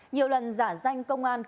nhiều lần giả danh công an cưỡng